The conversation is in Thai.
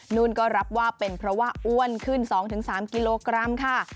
นุ่นก็รับว่าเป็นเพราะว่าอ้วนขึ้น๒๓กิโลกรัมค่ะ